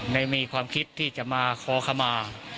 ในมีความคิดที่จะมาเคาะเคมา